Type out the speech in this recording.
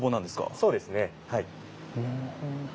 そうですねはい。